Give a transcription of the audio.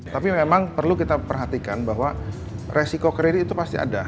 tapi memang perlu kita perhatikan bahwa resiko kredit itu pasti ada